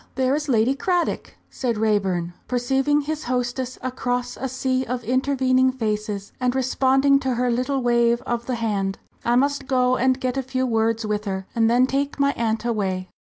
there is Lady Cradock!" said Raeburn, perceiving his hostess across a sea of intervening faces, and responding to her little wave of the hand. "I must go and get a few words with her, and then take my aunt away."